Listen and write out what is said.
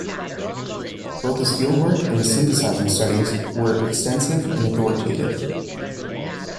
Both his field work and his synthesizing studies were extensive and authoritative.